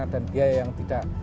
dan biaya yang tidak